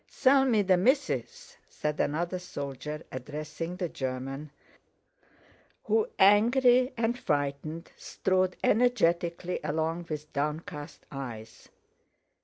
"Sell me the missis," said another soldier, addressing the German, who, angry and frightened, strode energetically along with downcast eyes.